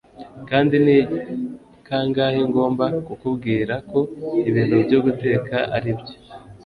kandi ni kangahe ngomba kukubwira ko ibintu byo guteka aribyo